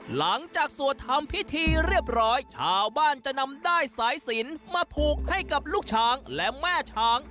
สวดทำพิธีเรียบร้อยชาวบ้านจะนำด้ายสายสินมาผูกให้กับลูกช้างและแม่ช้าง